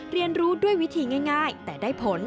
เรียนรู้ด้วยวิธีง่ายแต่ได้ผล